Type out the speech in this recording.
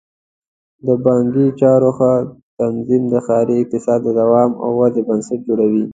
د بانکي چارو ښه تنظیم د ښاري اقتصاد د دوام او ودې بنسټ جوړوي.